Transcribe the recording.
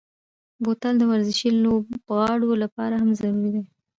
بوتل د ورزشي لوبغاړو لپاره هم ضروري دی.